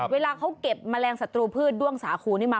เวลาเขาเก็บแมลงศัตรูพืชด้วงสาคูนี่มา